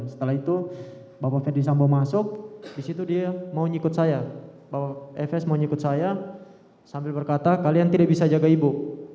setelah itu bapak verdi sambo masuk disitu dia mau nyikut saya bapak efes mau nyikut saya sambil berkata kalian tidak bisa jaga ibu